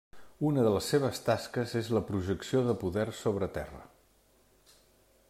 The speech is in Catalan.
Una de les seves tasques és la projecció de poder sobre terra.